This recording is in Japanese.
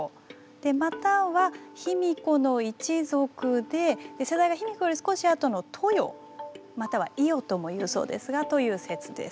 または卑弥呼の一族で世代が卑弥呼より少し後の台与または壱与とも言うそうですがという説です。